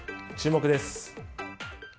注目です。